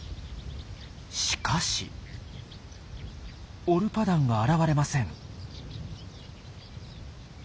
しかしオルパダンが現れません。